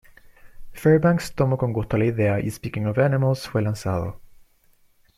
Fairbanks tomó con gusto la idea y Speaking of Animals fue lanzado.